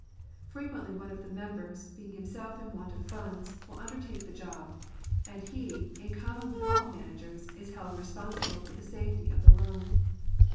Frequently one of the members, being himself in want of funds, will undertake the job ; and he, in common with all managers, is held responsible for the safety of the loan.